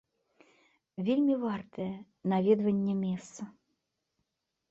Вельмі вартае наведвання месца.